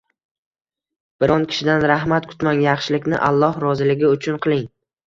Biron kishidan rahmat kutmang, yaxshilikni Alloh roziligi uchun qiling.